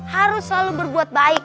harus selalu berbuat baik